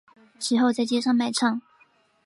其后在街上卖唱。